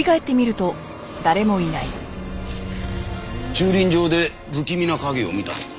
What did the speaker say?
駐輪場で不気味な影を見たとか。